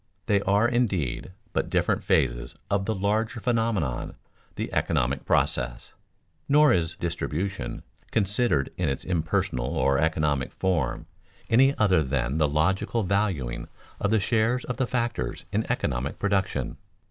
They are, indeed, but different phases of the larger phenomenon, the economic process. Nor is distribution, considered in its impersonal or economic form, any other than the logical valuing of the shares of the factors in economic production.